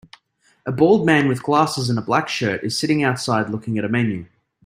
A bald man with glasses and a black shirt is sitting outside looking at a menu.